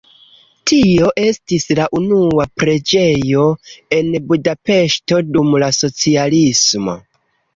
Tio estis la una preĝejo en Budapeŝto dum la socialismo.